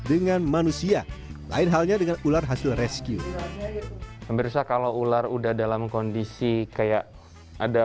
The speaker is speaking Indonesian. dengan manusia lain halnya dengan ular hasil rescue kalau ular udah dalam kondisi kayak ada